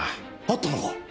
あったのか？